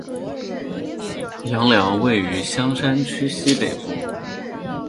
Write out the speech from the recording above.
杨寮位于香山区西北部。